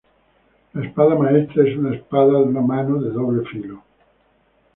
La Espada Maestra es una espada de una mano de doble filo.